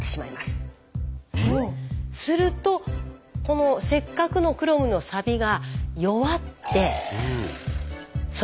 するとこのせっかくのクロムのサビが弱ってそこに。